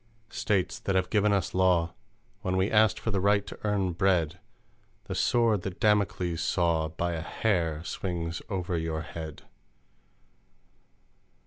"States, that have given us law, When we asked for the right to earn bread The Sword that Damocles saw By a hair swings over your head!